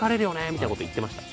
みたいなこと言ってました。